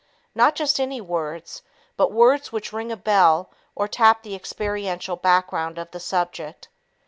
Not just any words, but words which "ring a bell" or tap the experiential background of the subject.